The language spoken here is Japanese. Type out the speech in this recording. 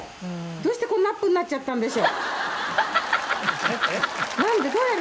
「どうしてこんなにアップになっちゃったんでしょ」